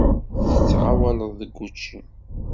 Tettɣawaleḍ deg wučči?